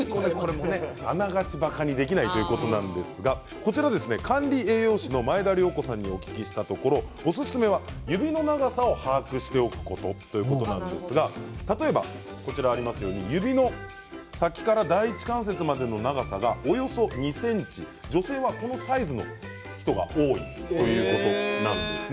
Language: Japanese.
あながちばかにならないということですが管理栄養士の前田量子さんに聞くとおすすめは指の長さを把握しておくことなんですが例えば指の先から第一関節までの長さがおよそ２ｃｍ女性はこのサイズの人が多いということなんですね。